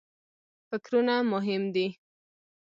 فکرونه مهم دي.